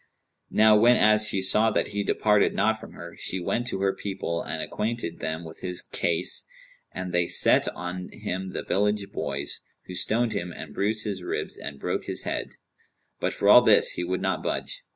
Now whenas she saw that he departed not from her, she went to her people and acquainted them with his case, and they set on him the village boys, who stoned him and bruised his ribs and broke his head; but, for all this, he would not budge.